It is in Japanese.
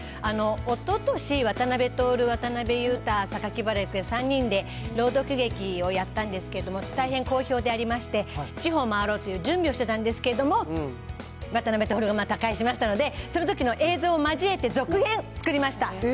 おととし、渡辺徹、渡辺裕太、榊原郁恵、３人で朗読劇をやったんですけれども、大変好評でありまして、地方を回ろうという準備をしてたんですけれども、渡辺徹が他界しましたので、そのときの映像を交えて続編を作りました。